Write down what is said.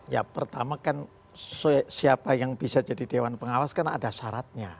ya pertama kan siapa yang bisa jadi dewan pengawas kan ada syaratnya